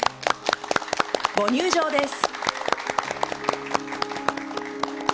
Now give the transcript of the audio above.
ご入場です。